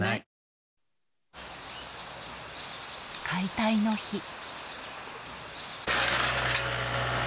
解体の日。